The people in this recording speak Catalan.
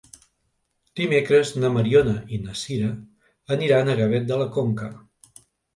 Dimecres na Mariona i na Sira aniran a Gavet de la Conca.